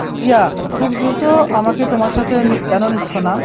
Yeah, খুব দ্রুত আমাকে তোমার সাথে কেনো নিচ্ছ না?